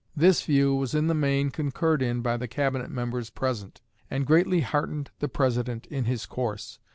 This view was in the main concurred in by the Cabinet members present, and greatly heartened the President in his course.